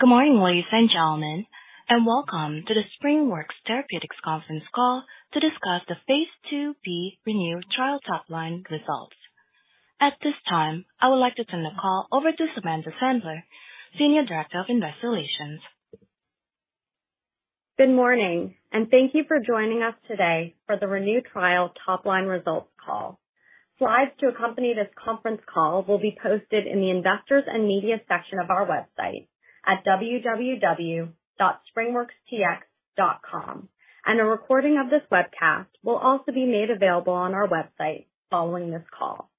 Good morning, ladies and gentlemen, and welcome to the SpringWorks Therapeutics conference call to discuss the phase II-B ReNeu trial topline results. At this time, I would like to turn the call over to Samantha Sandler, Senior Director of Investor Relations. Good morning, and thank you for joining us today for the ReNeu trial topline results call. Slides to accompany this conference call will be posted in the Investors and Media section of our website at www.springworkstx.com. A recording of this webcast will also be made available on our website following this call.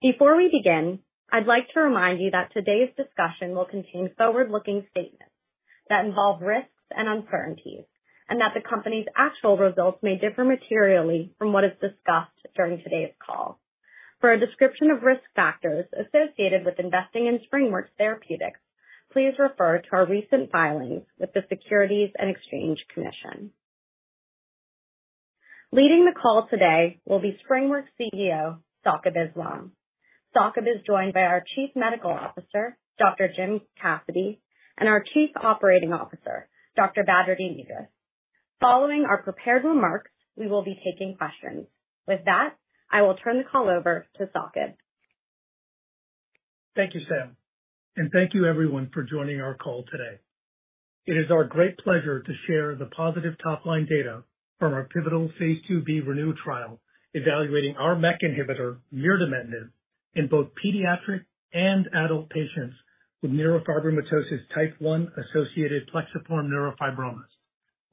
Before we begin, I'd like to remind you that today's discussion will contain forward-looking statements that involve risks and uncertainties, and that the company's actual results may differ materially from what is discussed during today's call. For a description of risk factors associated with investing in SpringWorks Therapeutics, please refer to our recent filings with the Securities and Exchange Commission. Leading the call today will be SpringWorks' CEO, Saqib Islam. Saqib is joined by our Chief Medical Officer, Dr. Jim Cassidy, and our Chief Operating Officer, Dr. Badreddin Edris. Following our prepared remarks, we will be taking questions. With that, I will turn the call over to Saqib. Thank you, Sam, and thank you, everyone, for joining our call today. It is our great pleasure to share the positive topline data from our pivotal phase II-B ReNeu trial, evaluating our MEK inhibitor, mirdametinib, in both pediatric and adult patients with Neurofibromatosis Type 1 associated plexiform neurofibromas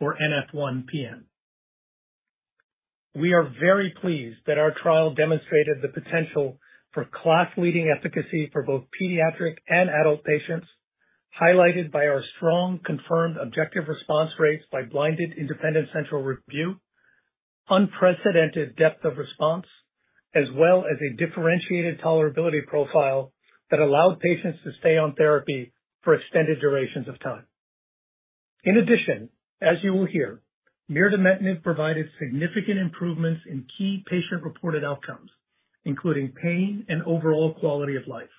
or NF1-PN. We are very pleased that our trial demonstrated the potential for class-leading efficacy for both pediatric and adult patients, highlighted by our strong, confirmed objective response rates by blinded independent central review, unprecedented depth of response, as well as a differentiated tolerability profile that allowed patients to stay on therapy for extended durations of time. In addition, as you will hear, mirdametinib provided significant improvements in key patient-reported outcomes, including pain and overall quality of life.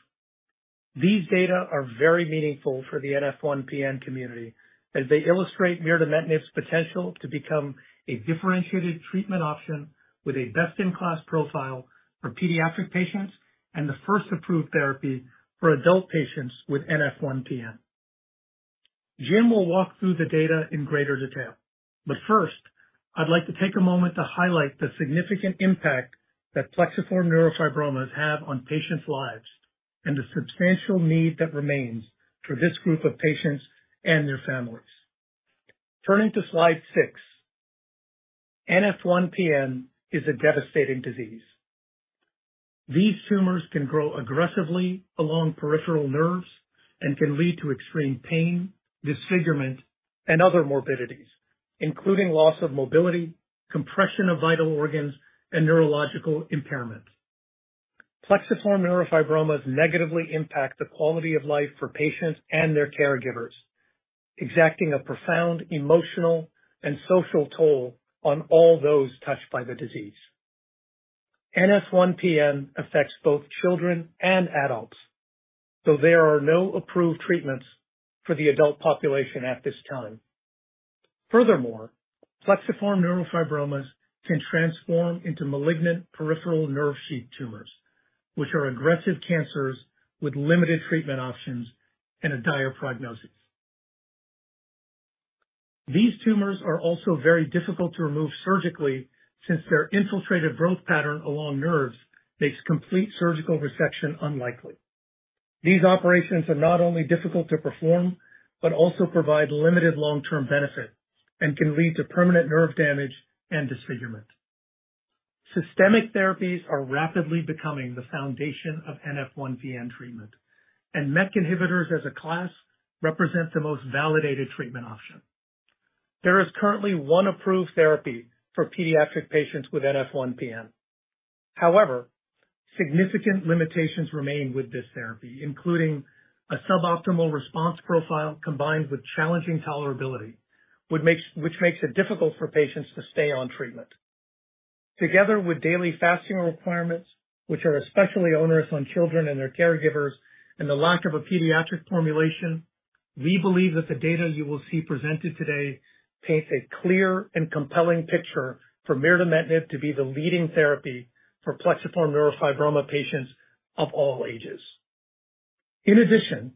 These data are very meaningful for the NF1-PN community, as they illustrate mirdametinib's potential to become a differentiated treatment option with a best-in-class profile for pediatric patients and the first approved therapy for adult patients with NF1-PN. Jim will walk through the data in greater detail, but first, I'd like to take a moment to highlight the significant impact that plexiform neurofibromas have on patients' lives and the substantial need that remains for this group of patients and their families. Turning to slide six, NF1-PN is a devastating disease. These tumors can grow aggressively along peripheral nerves and can lead to extreme pain, disfigurement, and other morbidities, including loss of mobility, compression of vital organs, and neurological impairments. Plexiform neurofibromas negatively impact the quality of life for patients and their caregivers, exacting a profound emotional and social toll on all those touched by the disease. NF1-PN affects both children and adults, though there are no approved treatments for the adult population at this time. Furthermore, plexiform neurofibromas can transform into malignant peripheral nerve sheath tumors, which are aggressive cancers with limited treatment options and a dire prognosis. These tumors are also very difficult to remove surgically, since their infiltrative growth pattern along nerves makes complete surgical resection unlikely. These operations are not only difficult to perform but also provide limited long-term benefit and can lead to permanent nerve damage and disfigurement. Systemic therapies are rapidly becoming the foundation of NF1-PN treatment, and MEK inhibitors as a class represent the most validated treatment option. There is currently one approved therapy for pediatric patients with NF1-PN. However, significant limitations remain with this therapy, including a suboptimal response profile combined with challenging tolerability, which makes it difficult for patients to stay on treatment. Together with daily fasting requirements, which are especially onerous on children and their caregivers, and the lack of a pediatric formulation, we believe that the data you will see presented today paints a clear and compelling picture for mirdametinib to be the leading therapy for plexiform neurofibroma patients of all ages. In addition,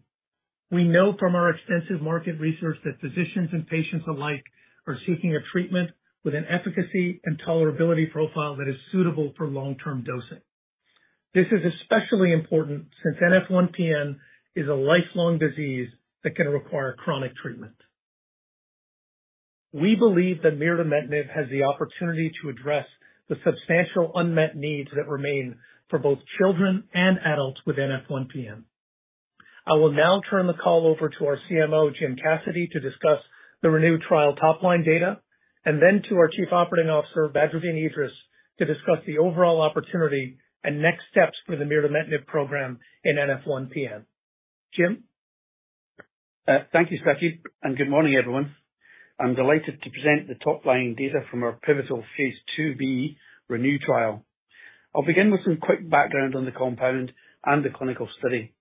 we know from our extensive market research that physicians and patients alike are seeking a treatment with an efficacy and tolerability profile that is suitable for long-term dosing. This is especially important since NF1-PN is a lifelong disease that can require chronic treatment. We believe that mirdametinib has the opportunity to address the substantial unmet needs that remain for both children and adults with NF1-PN. I will now turn the call over to our CMO, Jim Cassidy, to discuss the ReNeu trial topline data, and then to our Chief Operating Officer, Badreddin Edris, to discuss the overall opportunity and next steps for the mirdametinib program in NF1-PN. Jim? Thank you, Saqib, and good morning, everyone. I'm delighted to present the top line data from our pivotal phase II-B ReNeu trial. I'll begin with some quick background on the compound and the clinical study.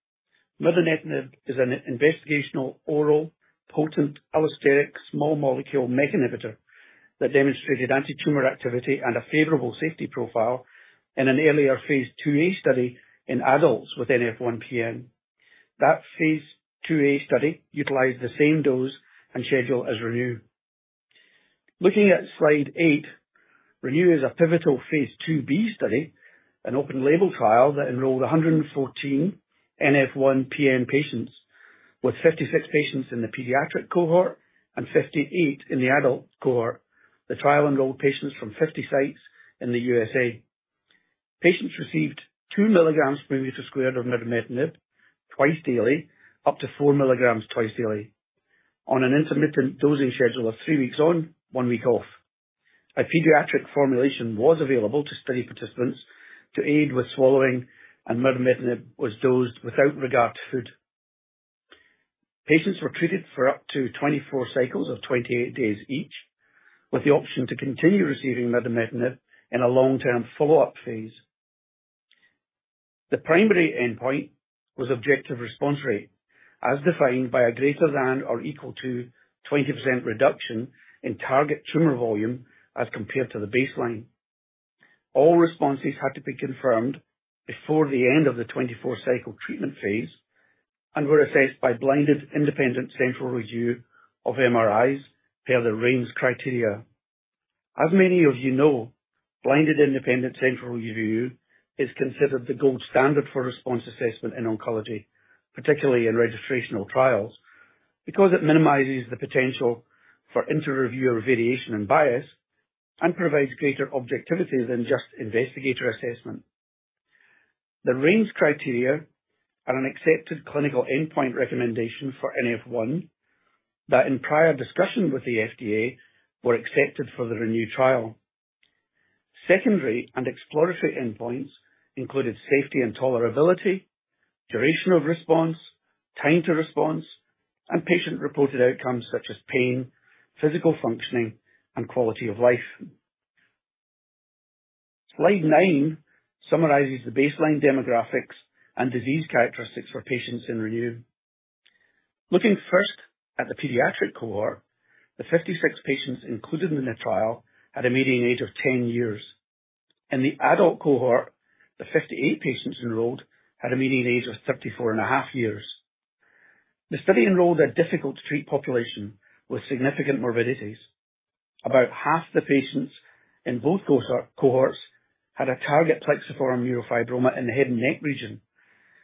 Mirdametinib is an investigational oral, potent allosteric, small molecule MEK inhibitor that demonstrated antitumor activity and a favorable safety profile in an earlier phase IIa study in adults with NF1-PN. That phase IIa study utilized the same dose and schedule as ReNeu. Looking at slide eight, ReNeu is a pivotal phase II-B study, an open label trial that enrolled 114 NF1-PN patients, with 56 patients in the pediatric cohort and 58 in the adult cohort. The trial enrolled patients from 50 sites in the USA. Patients received 2 mg/m² of mirdametinib twice daily, up to 4 mg twice daily, on an intermittent dosing schedule of three weeks on, one week off. A pediatric formulation was available to study participants to aid with swallowing, and mirdametinib was dosed without regard to food. Patients were treated for up to 24 cycles of 28 days each, with the option to continue receiving mirdametinib in a long-term follow-up phase. The primary endpoint was objective response rate, as defined by a greater than or equal to 20% reduction in target tumor volume as compared to the baseline. All responses had to be confirmed before the end of the 24-cycle treatment phase and were assessed by blinded independent central review of MRIs per the REiNS criteria. As many of you know, blinded independent central review is considered the gold standard for response assessment in oncology, particularly in registrational trials, because it minimizes the potential for inter-reviewer variation and bias and provides greater objectivity than just investigator assessment. The REiNS criteria are an accepted clinical endpoint recommendation for NF1, that in prior discussion with the FDA, were accepted for the ReNeu trial. Secondary and exploratory endpoints included safety and tolerability, duration of response, time to response, and patient-reported outcomes such as pain, physical functioning, and quality of life. Slide nine summarizes the baseline demographics and disease characteristics for patients in ReNeu. Looking first at the pediatric cohort, the 56 patients included in the trial had a median age of 10 years. In the adult cohort, the 58 patients enrolled had a median age of 34.5 years. The study enrolled a difficult-to-treat population with significant morbidities. About half the patients in both cohort, cohorts had a target plexiform neurofibroma in the head and neck region,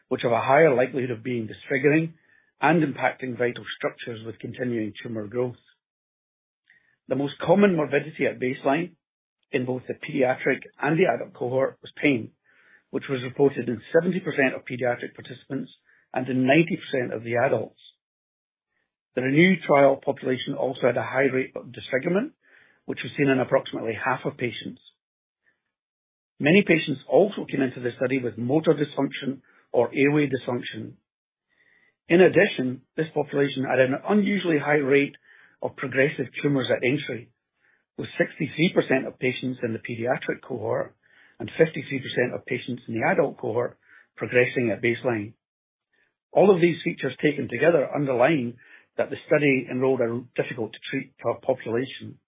which have a higher likelihood of being disfiguring and impacting vital structures with continuing tumor growth. The most common morbidity at baseline in both the pediatric and the adult cohort was pain, which was reported in 70% of pediatric participants and in 90% of the adults. The ReNeu trial population also had a high rate of disfigurement, which was seen in approximately half of patients. Many patients also came into the study with motor dysfunction or airway dysfunction. In addition, this population had an unusually high rate of progressive tumors at entry, with 63% of patients in the pediatric cohort and 53% of patients in the adult cohort progressing at baseline. All of these features, taken together, underline that the study enrolled a difficult-to-treat population.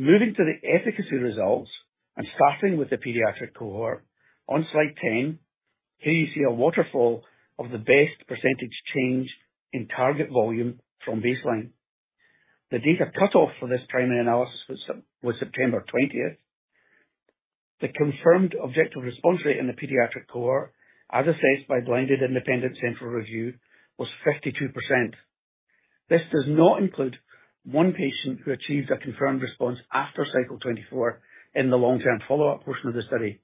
Moving to the efficacy results and starting with the pediatric cohort. On slide 10, here you see a waterfall of the best percentage change in target volume from baseline. The data cutoff for this primary analysis was September twentieth. The confirmed objective response rate in the pediatric cohort, as assessed by blinded independent central review, was 52%. This does not include one patient who achieved a confirmed response after cycle 24 in the long-term follow-up portion of the study.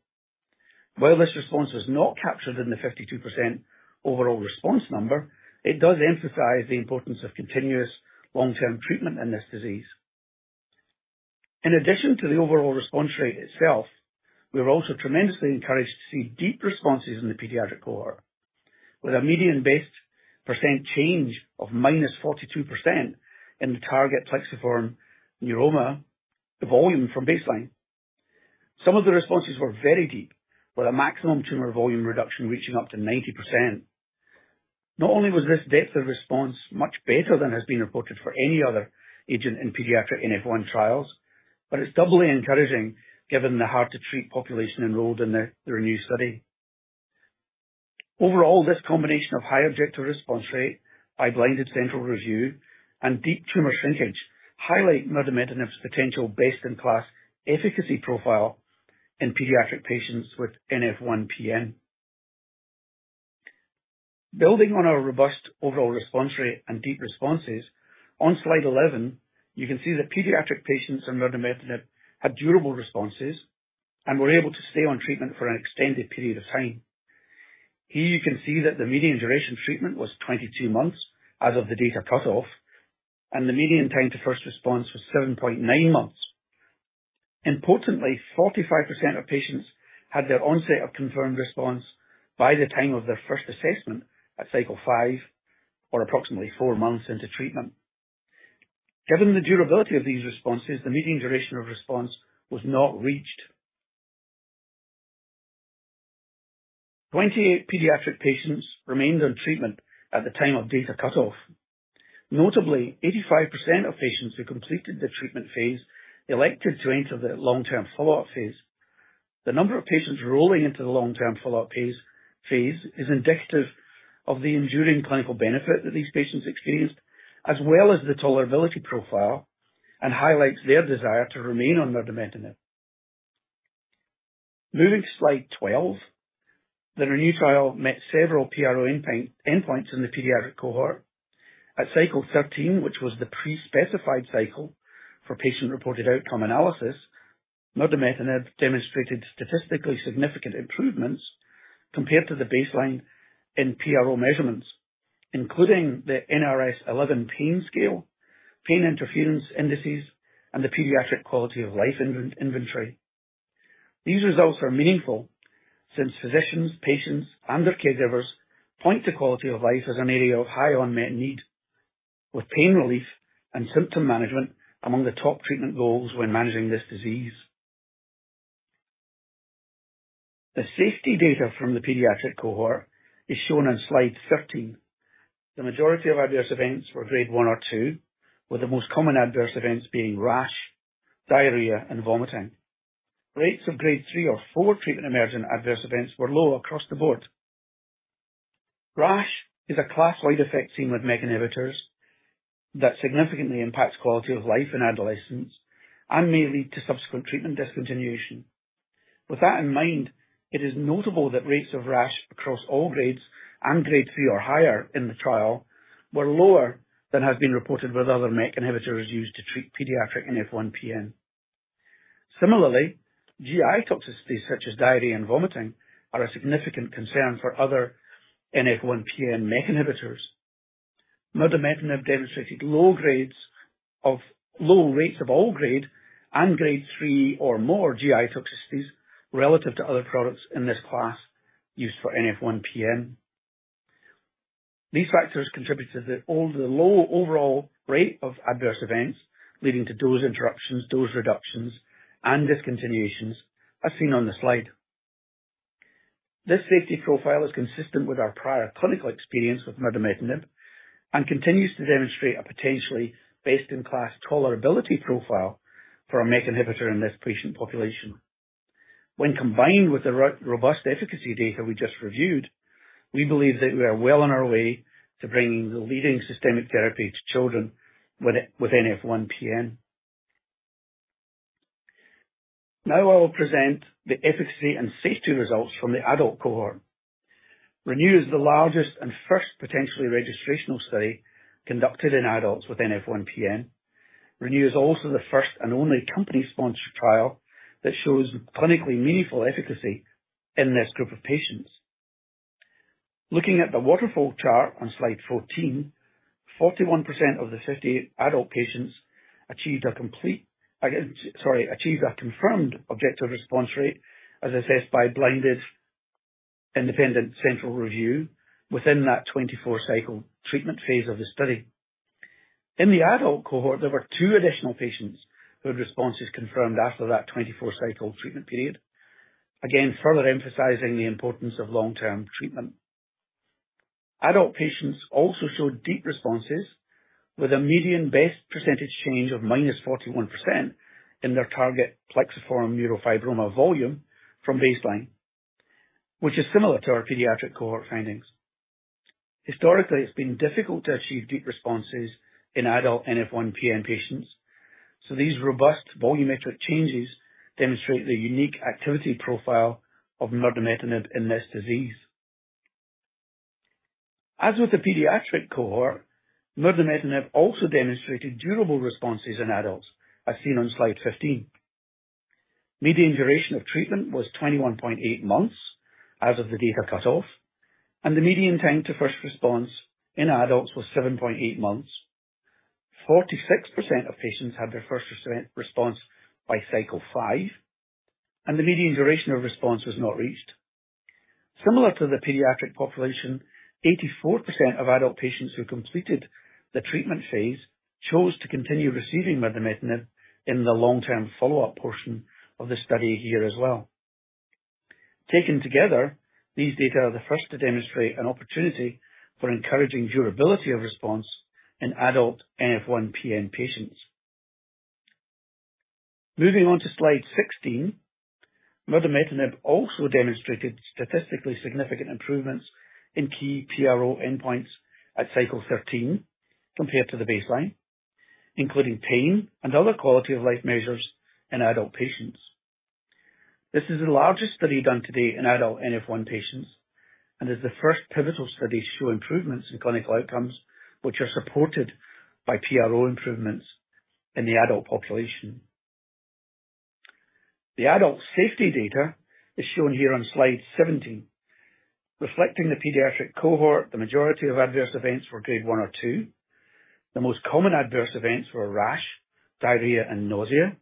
While this response is not captured in the 52% overall response number, it does emphasize the importance of continuous long-term treatment in this disease. In addition to the overall response rate itself, we were also tremendously encouraged to see deep responses in the pediatric cohort, with a median best percent change of -42% in the target plexiform neurofibroma volume from baseline. Some of the responses were very deep, with a maximum tumor volume reduction reaching up to 90%. Not only was this depth of response much better than has been reported for any other agent in pediatric NF1 trials, but it's doubly encouraging given the hard-to-treat population enrolled in the ReNeu study. Overall, this combination of high objective response rate by blinded central review and deep tumor shrinkage highlight mirdametinib's potential best-in-class efficacy profile in pediatric patients with NF1-PN. Building on our robust overall response rate and deep responses, on slide 11, you can see that pediatric patients on mirdametinib had durable responses and were able to stay on treatment for an extended period of time. Here you can see that the median duration of treatment was 22 months as of the data cutoff, and the median time to first response was 7.9 months. Importantly, 45% of patients had their onset of confirmed response by the time of their first assessment at cycle five or approximately four months into treatment. Given the durability of these responses, the median duration of response was not reached. 20 pediatric patients remained on treatment at the time of data cutoff. Notably, 85% of patients who completed the treatment phase elected to enter the long-term follow-up phase. The number of patients rolling into the long-term follow-up phase is indicative of the enduring clinical benefit that these patients experienced, as well as the tolerability profile, and highlights their desire to remain on mirdametinib. Moving to slide 12. The ReNeu trial met several PRO endpoints in the pediatric cohort. At cycle 13, which was the pre-specified cycle for patient-reported outcome analysis, mirdametinib demonstrated statistically significant improvements compared to the baseline in PRO measurements, including the NRS-11 pain scale, pain interference indices, and the Pediatric Quality of Life Inventory. These results are meaningful since physicians, patients, and their caregivers point to quality of life as an area of high unmet need, with pain relief and symptom management among the top treatment goals when managing this disease. The safety data from the pediatric cohort is shown on slide 13. The majority of adverse events were grade one or two, with the most common adverse events being rash, diarrhea, and vomiting. Rates of grade three or four treatment-emergent adverse events were low across the board. Rash is a class-wide effect seen with MEK inhibitors that significantly impacts quality of life in adolescents and may lead to subsequent treatment discontinuation. With that in mind, it is notable that rates of rash across all grades and grade three or higher in the trial were lower than has been reported with other MEK inhibitors used to treat pediatric NF1-PN. Similarly, GI toxicity, such as diarrhea and vomiting, are a significant concern for other NF1-PN MEK inhibitors. Mirdametinib demonstrated low rates of all grade and grade three or more GI toxicities relative to other products in this class used for NF1-PN. These factors contribute to the low overall rate of adverse events, leading to dose interruptions, dose reductions, and discontinuations, as seen on the slide. This safety profile is consistent with our prior clinical experience with mirdametinib and continues to demonstrate a potentially best-in-class tolerability profile for a MEK inhibitor in this patient population. When combined with the robust efficacy data we just reviewed, we believe that we are well on our way to bringing the leading systemic therapy to children with NF1-PN. Now I will present the efficacy and safety results from the adult cohort. ReNeu is the largest and first potentially registrational study conducted in adults with NF1-PN. ReNeu is also the first and only company-sponsored trial that shows clinically meaningful efficacy in this group of patients. Looking at the waterfall chart on slide 14, 41% of the 58 adult patients achieved a confirmed objective response rate, as assessed by blinded independent central review, within that 24-cycle treatment phase of the study. In the adult cohort, there were two additional patients who had responses confirmed after that 24-cycle treatment period. Again, further emphasizing the importance of long-term treatment. Adult patients also showed deep responses with a median best percentage change of -41% in their target plexiform neurofibroma volume from baseline, which is similar to our pediatric cohort findings. Historically, it's been difficult to achieve deep responses in adult NF1-PN patients, so these robust volumetric changes demonstrate the unique activity profile of mirdametinib in this disease. As with the pediatric cohort, mirdametinib also demonstrated durable responses in adults, as seen on slide 15. Median duration of treatment was 21.8 months as of the data cutoff, and the median time to first response in adults was 7.8 months. 46% of patients had their first response by cycle five, and the median duration of response was not reached. Similar to the pediatric population, 84% of adult patients who completed the treatment phase chose to continue receiving mirdametinib in the long-term follow-up portion of the study here as well. Taken together, these data are the first to demonstrate an opportunity for encouraging durability of response in adult NF1-PN patients. Moving on to slide 16. Mirdametinib also demonstrated statistically significant improvements in key PRO endpoints at cycle 13 compared to the baseline, including pain and other quality-of-life measures in adult patients. This is the largest study done to date in adult NF1 patients and is the first pivotal study to show improvements in clinical outcomes, which are supported by PRO improvements in the adult population. The adult safety data is shown here on slide 17, reflecting the pediatric cohort, the majority of adverse events were grade one or two. The most common adverse events were rash, diarrhea, and nausea.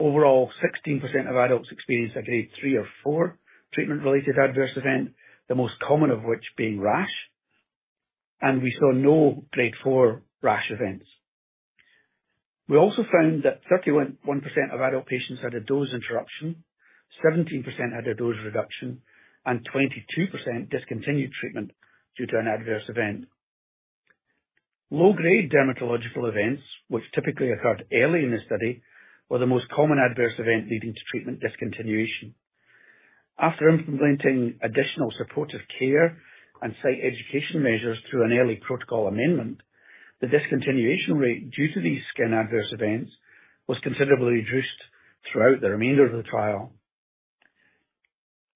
Overall, 16% of adults experienced a grade three or four treatment-related adverse event, the most common of which being rash, and we saw no grade four rash events. We also found that 31.1% of adult patients had a dose interruption, 17% had a dose reduction, and 22% discontinued treatment due to an adverse event. Low-grade dermatological events, which typically occurred early in the study, were the most common adverse event leading to treatment discontinuation. After implementing additional supportive care and site education measures through an early protocol amendment, the discontinuation rate due to these skin adverse events was considerably reduced throughout the remainder of the trial.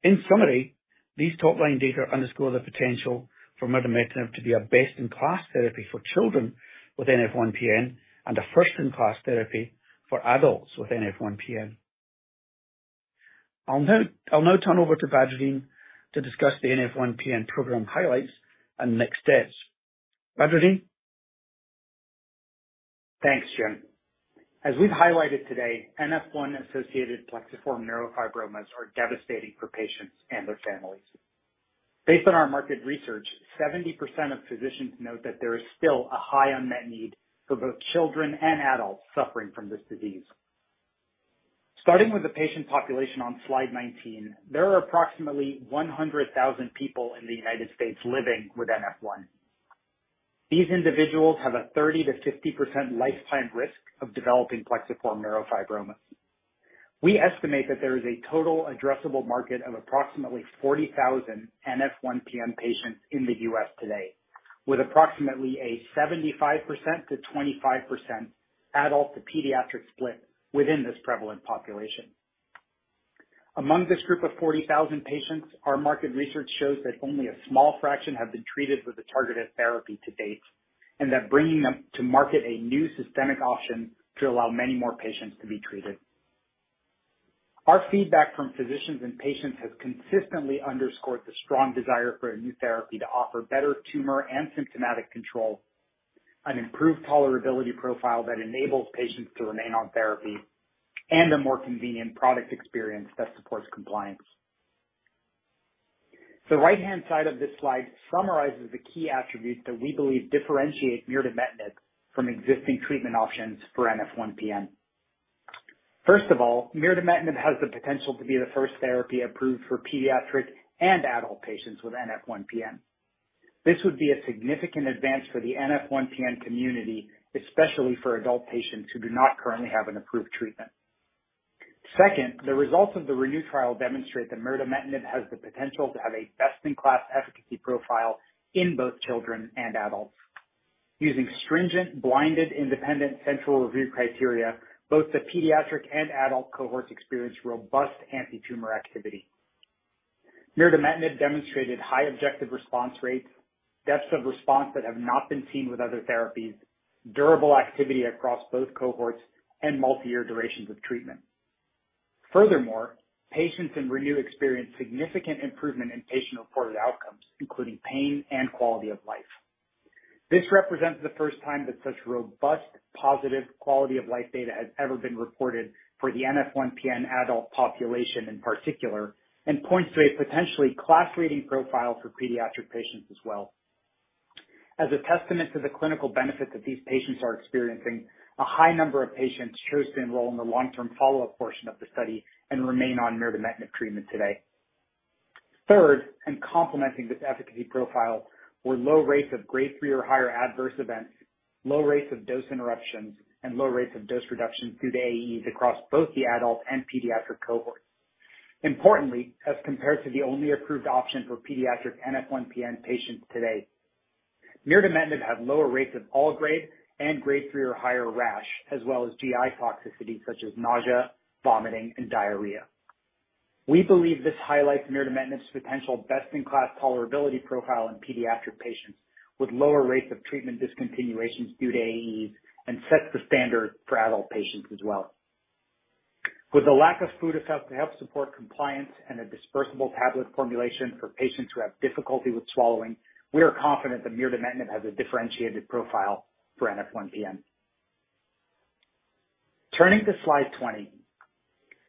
In summary, these topline data underscore the potential for mirdametinib to be a best-in-class therapy for children with NF1-PN and a first-in-class therapy for adults with NF1-PN. I'll now turn over to Badreddin to discuss the NF1-PN program highlights and next steps. Badreddin? Thanks, Jim. As we've highlighted today, NF1-associated plexiform neurofibromas are devastating for patients and their families. Based on our market research, 70% of physicians note that there is still a high unmet need for both children and adults suffering from this disease. Starting with the patient population on slide 19, there are approximately 100,000 people in the United States living with NF1. These individuals have a 30%-50% lifetime risk of developing plexiform neurofibromas. We estimate that there is a total addressable market of approximately 40,000 NF1-PN patients in the U.S. today, with approximately a 75%-25% adult-to-pediatric split within this prevalent population. Among this group of 40,000 patients, our market research shows that only a small fraction have been treated with a targeted therapy to date, and that bringing them to market a new systemic option could allow many more patients to be treated. Our feedback from physicians and patients has consistently underscored the strong desire for a new therapy to offer better tumor and symptomatic control, an improved tolerability profile that enables patients to remain on therapy, and a more convenient product experience that supports compliance. The right-hand side of this slide summarizes the key attributes that we believe differentiate mirdametinib from existing treatment options for NF1-PN. First of all, mirdametinib has the potential to be the first therapy approved for pediatric and adult patients with NF1-PN. This would be a significant advance for the NF1-PN community, especially for adult patients who do not currently have an approved treatment. Second, the results of the ReNeu trial demonstrate that mirdametinib has the potential to have a best-in-class efficacy profile in both children and adults. Using stringent, blinded independent central review criteria, both the pediatric and adult cohorts experienced robust anti-tumor activity. Mirdametinib demonstrated high objective response rates, depths of response that have not been seen with other therapies, durable activity across both cohorts, and multi-year durations of treatment. Furthermore, patients in ReNeu experienced significant improvement in patient-reported outcomes, including pain and quality of life. This represents the first time that such robust, positive quality of life data has ever been reported for the NF1-PN adult population in particular, and points to a potentially class-leading profile for pediatric patients as well. As a testament to the clinical benefit that these patients are experiencing, a high number of patients chose to enroll in the long-term follow-up portion of the study and remain on mirdametinib treatment today. Third, and complementing this efficacy profile, were low rates of grade three or higher adverse events, low rates of dose interruptions, and low rates of dose reductions due to AEs across both the adult and pediatric cohorts. Importantly, as compared to the only approved option for pediatric NF1-PN patients today, mirdametinib had lower rates of all grade and grade three or higher rash, as well as GI toxicity, such as nausea, vomiting, and diarrhea. We believe this highlights mirdametinib's potential best-in-class tolerability profile in pediatric patients with lower rates of treatment discontinuations due to AEs, and sets the standard for adult patients as well. With a lack of food effect to help support compliance and a dispersible tablet formulation for patients who have difficulty with swallowing, we are confident that mirdametinib has a differentiated profile for NF1-PN. Turning to slide 20.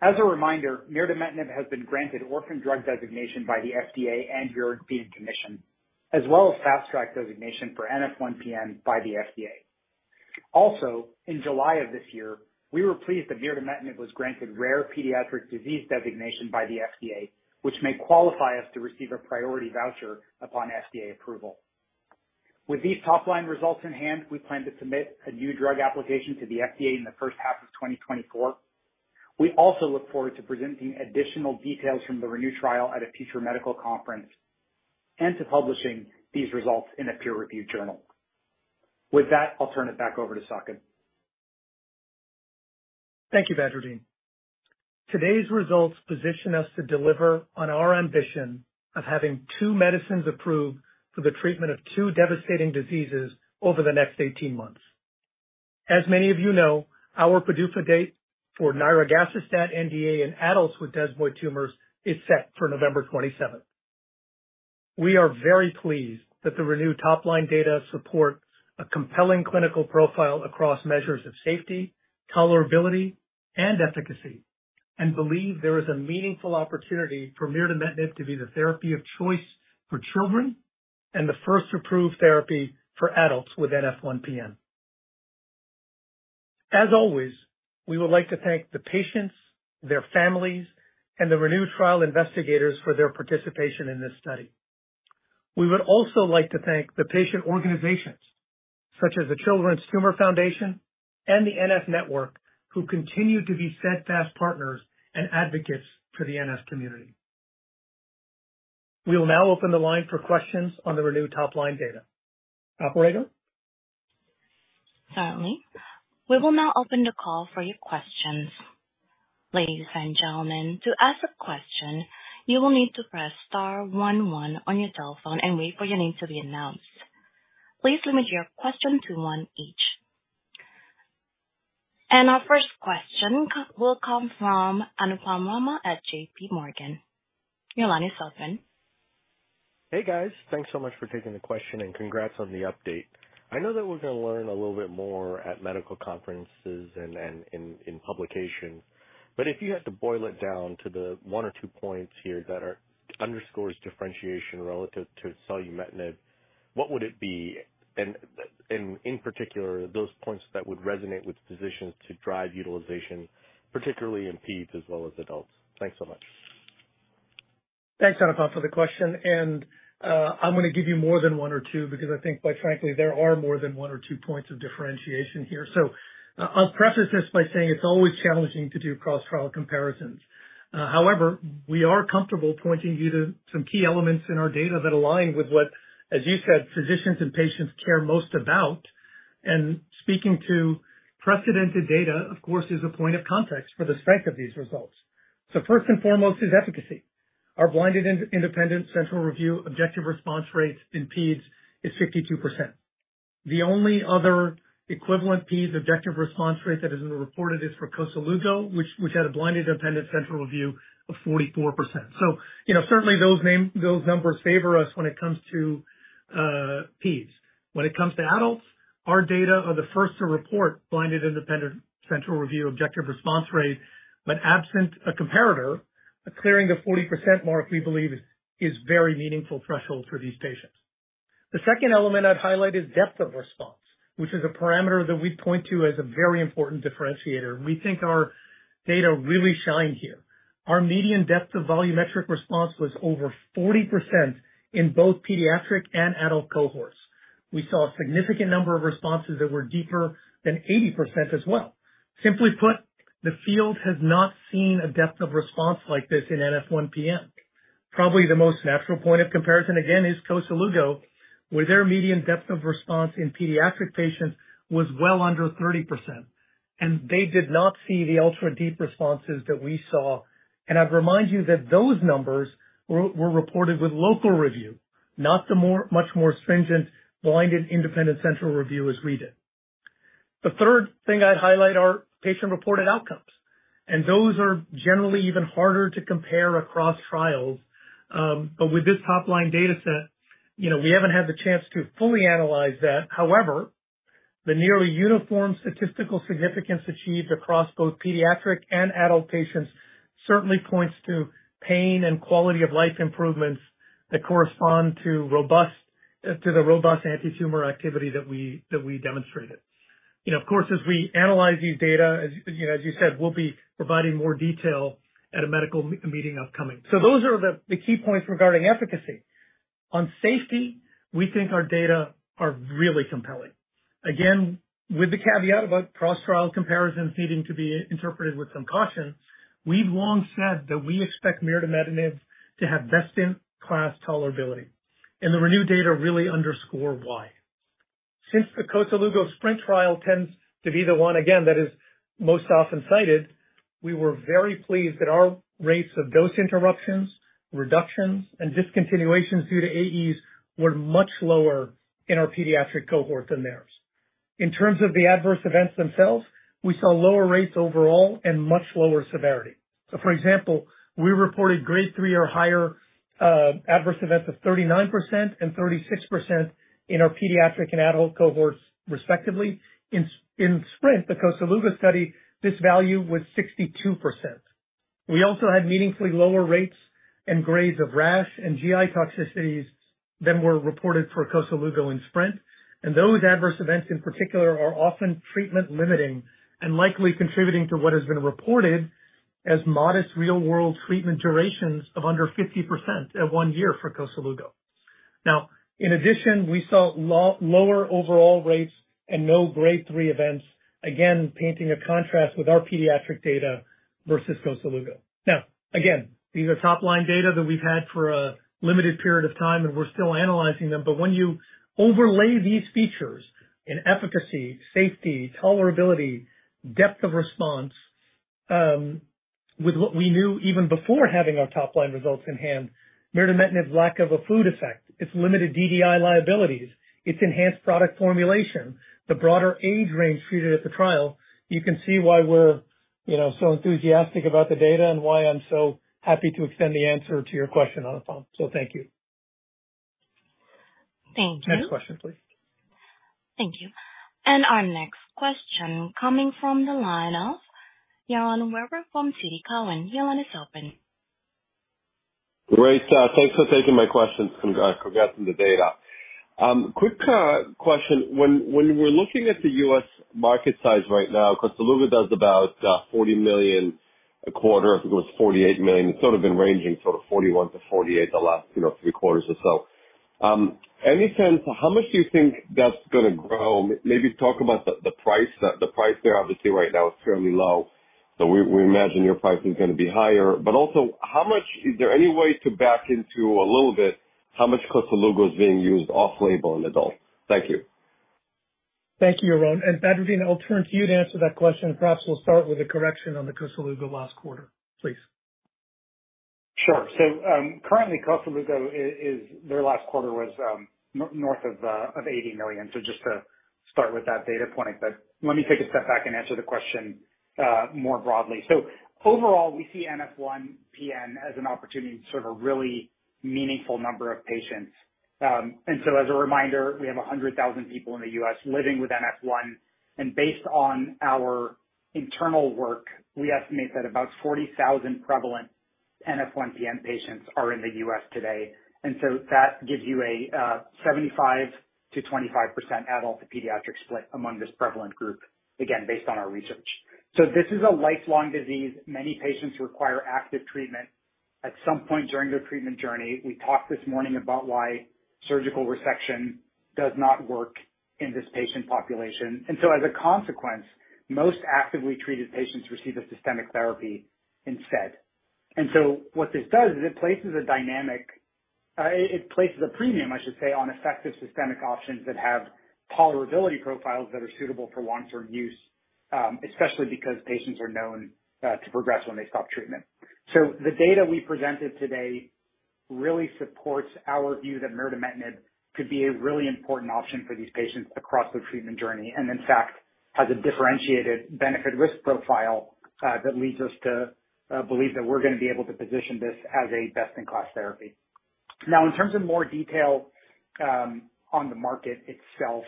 As a reminder, mirdametinib has been granted orphan drug designation by the FDA and European Commission, as well as fast track designation for NF1-PN by the FDA. Also, in July of this year, we were pleased that mirdametinib was granted rare pediatric disease designation by the FDA, which may qualify us to receive a priority voucher upon FDA approval. With these topline results in hand, we plan to submit a new drug application to the FDA in the first half of 2024. We also look forward to presenting additional details from the ReNeu trial at a future medical conference and to publishing these results in a peer-reviewed journal. With that, I'll turn it back over to Saqib. Thank you, everyone. Today's results position us to deliver on our ambition of having two medicines approved for the treatment of two devastating diseases over the next 18 months. As many of you know, our PDUFA date for nirogacestat NDA in adults with desmoid tumors is set for November 27th. We are very pleased that the ReNeu top line data support a compelling clinical profile across measures of safety, tolerability, and efficacy, and believe there is a meaningful opportunity for mirdametinib to be the therapy of choice for children and the first approved therapy for adults with NF1-PN. As always, we would like to thank the patients, their families, and the ReNeu trial investigators for their participation in this study. We would also like to thank the patient organizations, such as the Children's Tumor Foundation and the NF Network, who continue to be steadfast partners and advocates for the NF community. We will now open the line for questions on the ReNeu topline data. Operator? Certainly. We will now open the call for your questions. Ladies and gentlemen, to ask a question, you will need to press star one one on your telephone and wait for your name to be announced. Please limit your question to one each. Our first question will come from Anupam Rama at J.P. Morgan. Your line is open. Hey, guys. Thanks so much for taking the question, and congrats on the update. I know that we're gonna learn a little bit more at medical conferences and in publication, but if you had to boil it down to the one or two points here that underscore differentiation relative to selumetinib, what would it be? And in particular, those points that would resonate with physicians to drive utilization, particularly in peds as well as adults. Thanks so much. Thanks, Anupam, for the question, and I'm gonna give you more than one or two, because I think, quite frankly, there are more than one or two points of differentiation here. So I'll preface this by saying it's always challenging to do cross-trial comparisons. However, we are comfortable pointing you to some key elements in our data that align with what, as you said, physicians and patients care most about. And speaking to precedented data, of course, is a point of context for the strength of these results. So first and foremost is efficacy. Our blinded independent central review objective response rates in peds is 52%. The only other equivalent peds objective response rate that has been reported is for Koselugo, which had a blinded independent central review of 44%. So you know, certainly those numbers favor us when it comes to peds. When it comes to adults, our data are the first to report blinded independent central review objective response rate, but absent a comparator, clearing the 40% mark, we believe is a very meaningful threshold for these patients. The second element I'd highlight is depth of response, which is a parameter that we point to as a very important differentiator. We think our data really shine here. Our median depth of volumetric response was over 40% in both pediatric and adult cohorts. We saw a significant number of responses that were deeper than 80% as well. Simply put, the field has not seen a depth of response like this in NF1-PN. Probably the most natural point of comparison, again, is Koselugo, where their median depth of response in pediatric patients was well under 30%, and they did not see the ultra-deep responses that we saw. I'd remind you that those numbers were reported with local review, not the much more stringent blinded independent central review as we did. The third thing I'd highlight are patient-reported outcomes, and those are generally even harder to compare across trials. But with this topline data set, you know, we haven't had the chance to fully analyze that. However, the nearly uniform statistical significance achieved across both pediatric and adult patients certainly points to pain and quality of life improvements that correspond to the robust antitumor activity that we demonstrated. You know, of course, as we analyze these data, as you know, as you said, we'll be providing more detail at a medical meeting upcoming. So those are the key points regarding efficacy. On safety, we think our data are really compelling. Again, with the caveat about cross-trial comparisons needing to be interpreted with some caution, we've long said that we expect mirdametinib to have best-in-class tolerability, and the ReNeu data really underscore why. Since the Koselugo SPRINT trial tends to be the one, again, that is most often cited, we were very pleased that our rates of dose interruptions, reductions, and discontinuations due to AEs were much lower in our pediatric cohort than theirs. In terms of the adverse events themselves, we saw lower rates overall and much lower severity. So for example, we reported grade three or higher adverse events of 39% and 36% in our pediatric and adult cohorts, respectively. In SPRINT, the Koselugo study, this value was 62%. We also had meaningfully lower rates and grades of rash and GI toxicities than were reported for Koselugo in SPRINT, and those adverse events, in particular, are often treatment limiting and likely contributing to what has been reported as modest real-world treatment durations of under 50% at one year for Koselugo. Now, in addition, we saw lower overall rates and no grade three events, again, painting a contrast with our pediatric data versus Koselugo. Now, again, these are topline data that we've had for a limited period of time, and we're still analyzing them, but when you overlay these features in efficacy, safety, tolerability, depth of response-... with what we knew even before having our top line results in hand, mirdametinib's lack of a food effect, its limited DDI liabilities, its enhanced product formulation, the broader age range treated at the trial. You can see why we're, you know, so enthusiastic about the data and why I'm so happy to extend the answer to your question on the phone. So thank you. Thank you. Next question, please. Thank you. Our next question coming from the line of Yaron Werber from TD Cowen. Yaron, your line is open. Great! Thanks for taking my questions. Congrats on the data. Quick question. When we're looking at the U.S. market size right now, Koselugo does about $40 million a quarter. I think it was $48 million. It's sort of been ranging $41 million-$48 million the last three quarters or so. Any sense how much do you think that's gonna grow? Maybe talk about the price. The price there, obviously, right now is fairly low, so we imagine your price is gonna be higher, but also how much, is there any way to back into a little bit how much Koselugo is being used off label in adults? Thank you. Thank you, Yaron, and Badreddin, I'll turn to you to answer that question. Perhaps we'll start with a correction on the Koselugo last quarter, please. Sure. So, currently, Koselugo is, their last quarter was north of $80 million. So just to start with that data point, but let me take a step back and answer the question more broadly. So overall, we see NF1-PN as an opportunity to serve a really meaningful number of patients. And so as a reminder, we have 100,000 people in the U.S. living with NF1, and based on our internal work, we estimate that about 40,000 prevalent NF1-PN patients are in the U.S. today. And so that gives you a 75%-25% adult to pediatric split among this prevalent group, again, based on our research. So this is a lifelong disease. Many patients require active treatment at some point during their treatment journey. We talked this morning about why surgical resection does not work in this patient population, and so as a consequence, most actively treated patients receive a systemic therapy instead. And so what this does is it places a premium, I should say, on effective systemic options that have tolerability profiles that are suitable for long-term use, especially because patients are known to progress when they stop treatment. So the data we presented today really supports our view that mirdametinib could be a really important option for these patients across their treatment journey, and in fact, has a differentiated benefit risk profile that leads us to believe that we're gonna be able to position this as a best-in-class therapy. Now, in terms of more detail, on the market itself,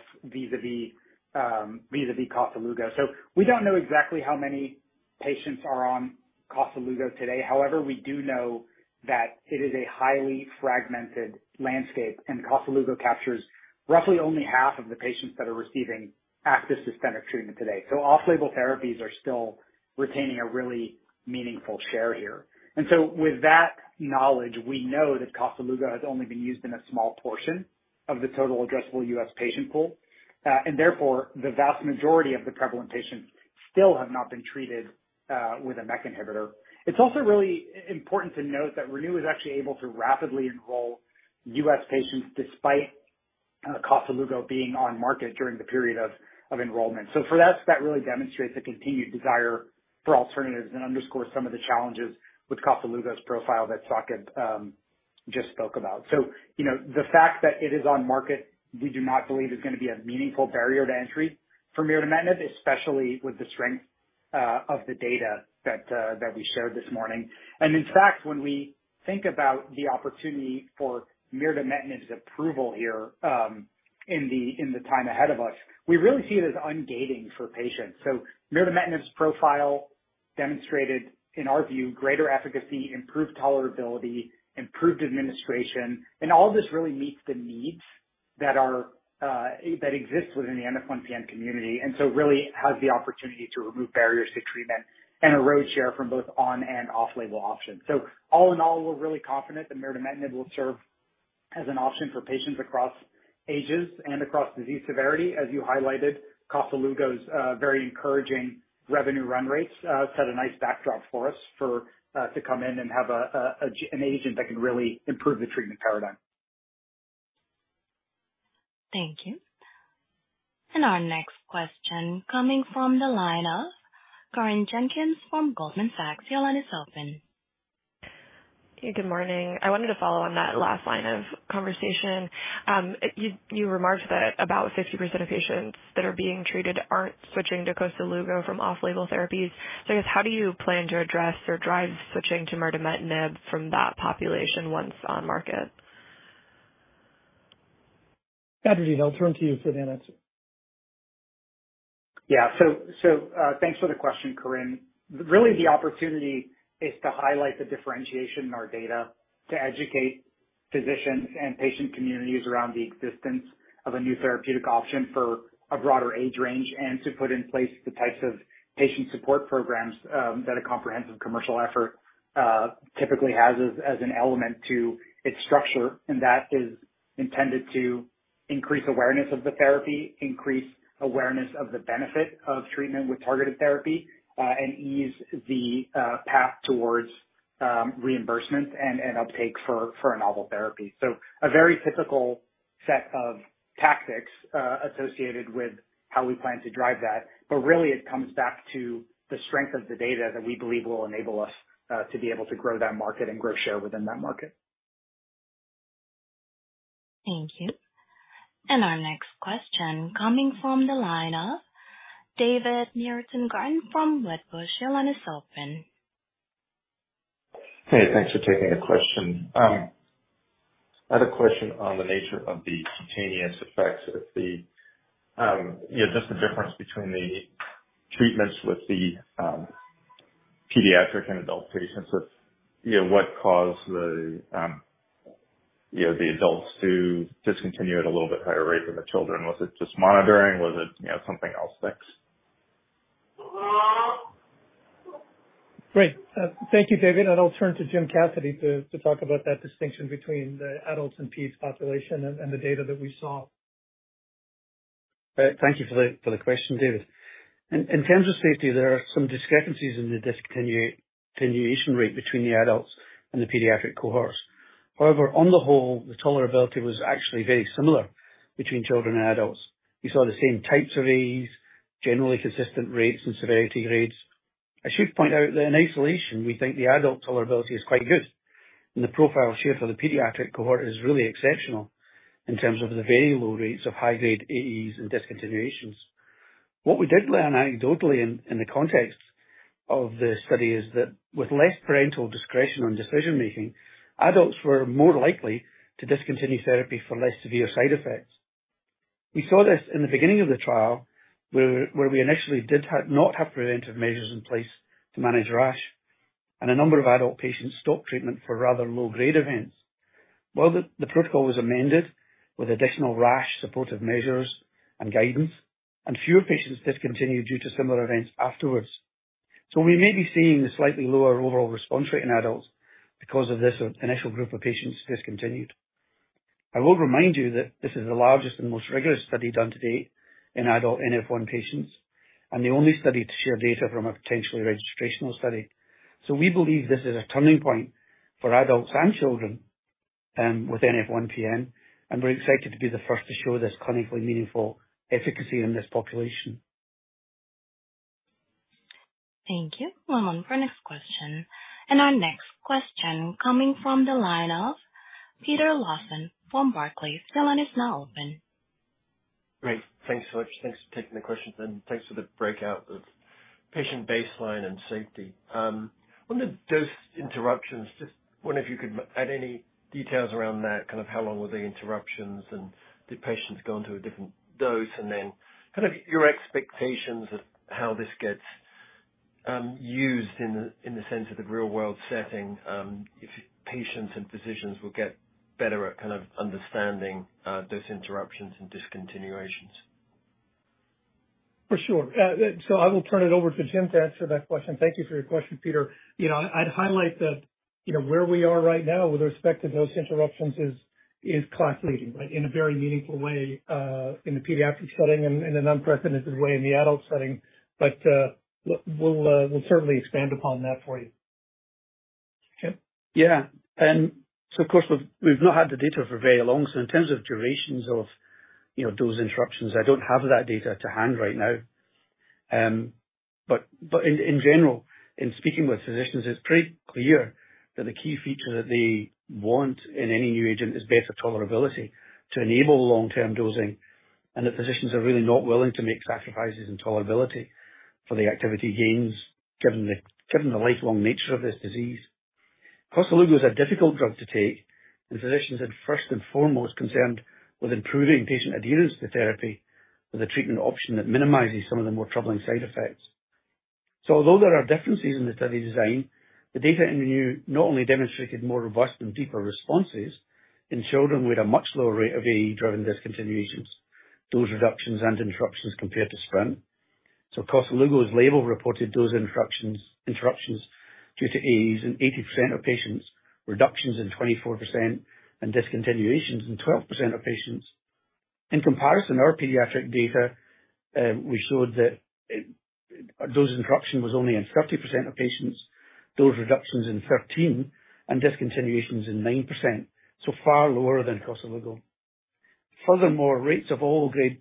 vis-a-vis Koselugo. So we don't know exactly how many patients are on Koselugo today. However, we do know that it is a highly fragmented landscape, and Koselugo captures roughly only half of the patients that are receiving active systemic treatment today. So off-label therapies are still retaining a really meaningful share here. And so with that knowledge, we know that Koselugo has only been used in a small portion of the total addressable U.S. patient pool. And therefore, the vast majority of the prevalent patients still have not been treated with a MEK inhibitor. It's also really important to note that ReNeu is actually able to rapidly enroll U.S. patients despite Koselugo being on market during the period of enrollment. So for us, that really demonstrates the continued desire for alternatives and underscores some of the challenges with Koselugo's profile that Saqib just spoke about. So, you know, the fact that it is on market, we do not believe is gonna be a meaningful barrier to entry for mirdametinib, especially with the strength of the data that we shared this morning. And in fact, when we think about the opportunity for mirdametinib's approval here in the time ahead of us, we really see it as ungating for patients. So mirdametinib's profile demonstrated, in our view, greater efficacy, improved tolerability, improved administration, and all this really meets the needs that exist within the NF1-PN community. And so really has the opportunity to remove barriers to treatment and erode share from both on and off-label options. So all in all, we're really confident that mirdametinib will serve as an option for patients across ages and across disease severity. As you highlighted, Koselugo's very encouraging revenue run rates set a nice backdrop for us to come in and have an agent that can really improve the treatment paradigm. Thank you. And our next question coming from the line of Corinne Jenkins from Goldman Sachs. Your line is open. Hey, good morning. I wanted to follow on that last line of conversation. You, you remarked that about 60% of patients that are being treated aren't switching to Koselugo from off-label therapies. So I guess, how do you plan to address or drive switching to mirdametinib from that population once on market? Badreddin, I'll turn to you for that answer. Yeah. So, thanks for the question, Corinne. Really, the opportunity is to highlight the differentiation in our data, to educate physicians and patient communities around the existence of a new therapeutic option for a broader age range, and to put in place the types of patient support programs that a comprehensive commercial effort typically has as an element to its structure. And that is intended to increase awareness of the therapy, increase awareness of the benefit of treatment with targeted therapy, and ease the path towards reimbursement and uptake for a novel therapy. So a very typical set of tactics associated with how we plan to drive that. But really, it comes back to the strength of the data that we believe will enable us to be able to grow that market and grow share within that market. Thank you. And our next question coming from the line of David Nierengarten from Wedbush. Your line is open. Hey, thanks for taking the question. I had a question on the nature of the cutaneous effects of the, you know, just the difference between the treatments with the pediatric and adult patients. So, you know, what caused the, you know, the adults to discontinue at a little bit higher rate than the children? Was it just monitoring? Was it, you know, something else? Thanks. Great. Thank you, David. I'll turn to Jim Cassidy to talk about that distinction between the adults and peds population and the data that we saw. Thank you for the question, David. In terms of safety, there are some discrepancies in the discontinuation rate between the adults and the pediatric cohorts. However, on the whole, the tolerability was actually very similar between children and adults. We saw the same types of AEs, generally consistent rates and severity grades. I should point out that in isolation, we think the adult tolerability is quite good, and the profile shared for the pediatric cohort is really exceptional in terms of the very low rates of high-grade AEs and discontinuations. What we did learn anecdotally in the context of the study is that with less parental discretion on decision-making, adults were more likely to discontinue therapy for less severe side effects. We saw this in the beginning of the trial, where we initially did have not have preventive measures in place to manage rash, and a number of adult patients stopped treatment for rather low-grade events. While the protocol was amended with additional rash supportive measures and guidance, and fewer patients discontinued due to similar events afterwards. So we may be seeing a slightly lower overall response rate in adults because of this initial group of patients discontinued. I will remind you that this is the largest and most rigorous study done to date in adult NF1 patients, and the only study to share data from a potentially registrational study. So we believe this is a turning point for adults and children with NF1-PN, and we're excited to be the first to show this clinically meaningful efficacy in this population. Thank you. One moment for next question. Our next question coming from the line of Peter Lawson from Barclays. Your line is now open. Great. Thanks so much. Thanks for taking the question, and thanks for the breakout of patient baseline and safety. On the dose interruptions, just wonder if you could add any details around that. Kind of how long were the interruptions, and did patients go onto a different dose? And then, kind of your expectations of how this gets used in the, in the sense of a real-world setting, if patients and physicians will get better at kind of understanding dose interruptions and discontinuations. For sure. So I will turn it over to Jim to answer that question. Thank you for your question, Peter. You know, I'd highlight that, you know, where we are right now with respect to those interruptions is class-leading, right? In a very meaningful way, in the pediatric setting and in an unprecedented way in the adult setting. But, we'll certainly expand upon that for you. Jim? Yeah. And so, of course, we've not had the data for very long. So in terms of durations of, you know, dose interruptions, I don't have that data to hand right now. But in general, in speaking with physicians, it's pretty clear that the key feature that they want in any new agent is better tolerability to enable long-term dosing, and the physicians are really not willing to make sacrifices in tolerability for the activity gains, given the lifelong nature of this disease. Koselugo is a difficult drug to take, and physicians are first and foremost concerned with improving patient adherence to therapy with a treatment option that minimizes some of the more troubling side effects. So although there are differences in the study design, the data in ReNeu not only demonstrated more robust and deeper responses in children with a much lower rate of AE-driven discontinuations, dose reductions, and interruptions compared to SPRINT. So Koselugo's label reported dose interruptions due to AEs in 80% of patients, reductions in 24%, and discontinuations in 12% of patients. In comparison, our pediatric data, we showed that, dose interruption was only in 30% of patients, dose reductions in 13%, and discontinuations in 9%. So far lower than Koselugo. Furthermore, rates of all grade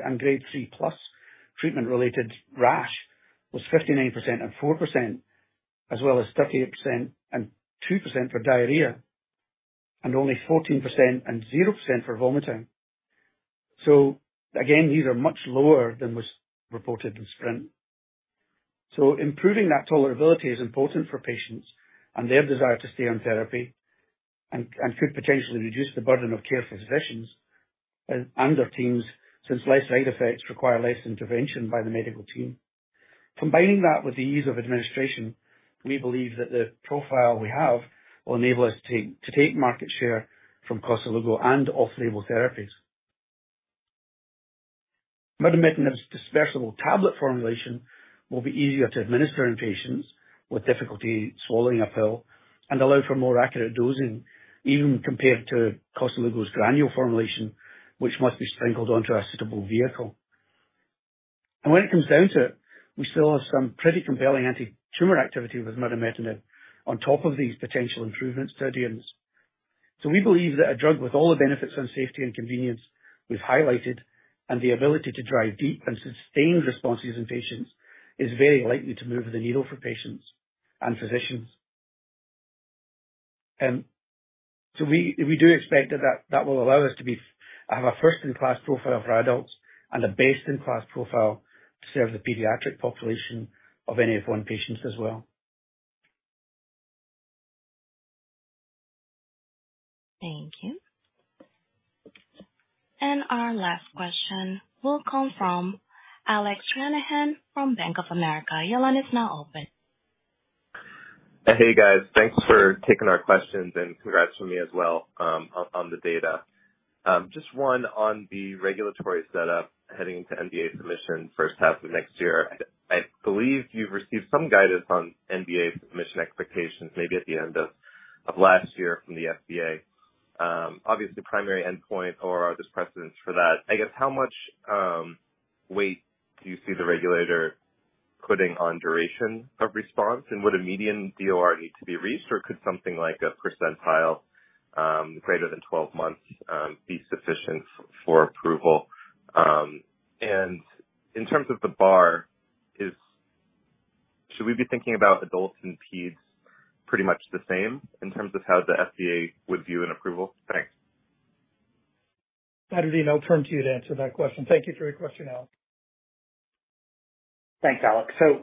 and grade 3+ treatment-related rash was 59% and 4%, as well as 38% and 2% for diarrhea, and only 14% and 0% for vomiting. So again, these are much lower than was reported in SPRINT. So improving that tolerability is important for patients and their desire to stay on therapy and could potentially reduce the burden of care for physicians and their teams, since less side effects require less intervention by the medical team. Combining that with the ease of administration, we believe that the profile we have will enable us to take market share from Koselugo and off-label therapies. Mirdametinib's dispersible tablet formulation will be easier to administer in patients with difficulty swallowing a pill and allow for more accurate dosing, even compared to Koselugo's granule formulation, which must be sprinkled onto a suitable vehicle. And when it comes down to it, we still have some pretty compelling anti-tumor activity with mirdametinib on top of these potential improvements to [ADIMS]. So we believe that a drug with all the benefits on safety and convenience we've highlighted, and the ability to drive deep and sustained responses in patients, is very likely to move the needle for patients and physicians. So we do expect that will allow us to have a first-in-class profile for adults and a best-in-class profile to serve the pediatric population of NF1 patients as well. Thank you. And our last question will come from Alec Stranahan from Bank of America. Your line is now open. Hey, guys. Thanks for taking our questions and congrats from me as well on the data. Just one on the regulatory setup heading into NDA submission first half of next year. I believe you've received some guidance on NDA submission expectations, maybe at the end of last year from the FDA. Obviously, the primary endpoint or this precedence for that. I guess, how much weight do you see the regulator putting on duration of response? And would a median DOR need to be reached, or could something like a percentile greater than 12 months be sufficient for approval? And in terms of the bar, should we be thinking about adults and peds pretty much the same in terms of how the FDA would view an approval? Thanks. Badreddin, I'll turn to you to answer that question. Thank you for your question, Alex. Thanks, Alex. So,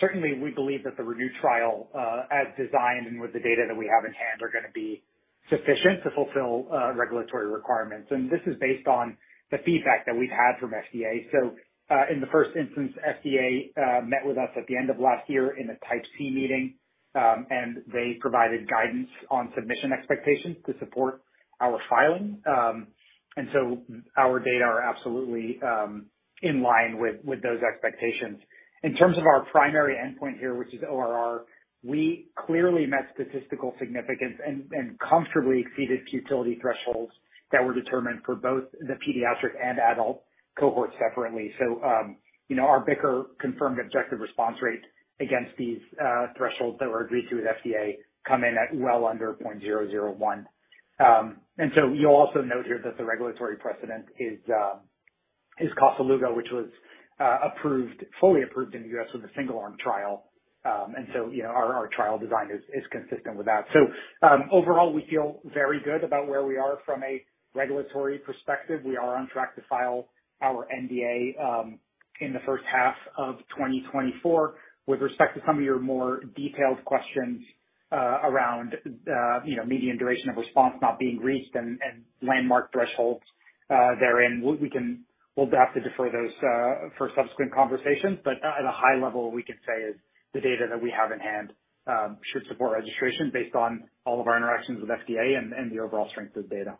certainly we believe that the ReNeu trial, as designed and with the data that we have in hand, are gonna be sufficient to fulfill regulatory requirements. And this is based on the feedback that we've had from FDA. So, in the first instance, FDA met with us at the end of last year in a Type B meeting, and they provided guidance on submission expectations to support our filing. And so our data are absolutely in line with those expectations. In terms of our primary endpoint here, which is ORR, we clearly met statistical significance and comfortably exceeded futility thresholds that were determined for both the pediatric and adult cohorts separately. So, you know, our BICR-confirmed objective response rate against these thresholds that were agreed to with FDA come in at well under 0.001. And so you'll also note here that the regulatory precedent is Koselugo, which was approved, fully approved in the U.S. with a single-arm trial. And so, you know, our trial design is consistent with that. So, overall, we feel very good about where we are from a regulatory perspective. We are on track to file our NDA in the first half of 2024. With respect to some of your more detailed questions around you know, median duration of response not being reached and landmark thresholds therein, we can - we'll have to defer those for subsequent conversations. But at a high level, we can say is the data that we have in hand should support registration based on all of our interactions with FDA and, and the overall strength of the data.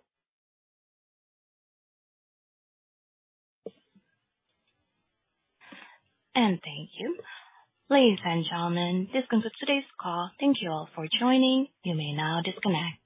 Thank you. Ladies and gentlemen, this concludes today's call. Thank you all for joining. You may now disconnect.